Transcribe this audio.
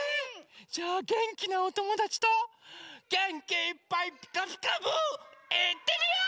じゃあげんきなおともだちとげんきいっぱい「ピカピカブ！」いってみよう！